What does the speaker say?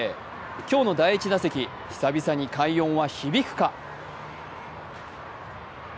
今日の第１打席、久々に快音は響くか。